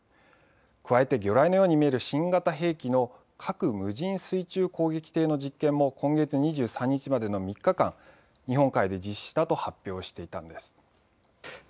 加えて魚雷のように見える新型兵器の核無人水中攻撃艇の実験も今月２３日までの３日間、日本海で実施したと発表していたんです。